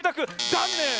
ざんねん！